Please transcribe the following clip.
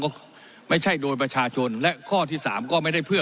ก็ไม่ใช่โดยประชาชนและข้อที่สามก็ไม่ได้เพื่อ